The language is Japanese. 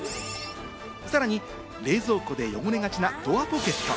さらに冷蔵庫で汚れがちなドアポケット。